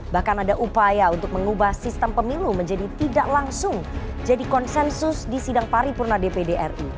bahkan ada upaya untuk mengubah sistem pemilu menjadi tidak langsung jadi konsensus di sidang paripurna dpd ri